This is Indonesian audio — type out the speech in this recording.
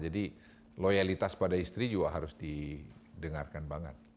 jadi loyalitas pada istri juga harus didengarkan banget